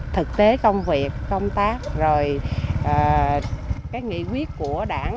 thực tế công việc công tác rồi cái nghị quyết của đảng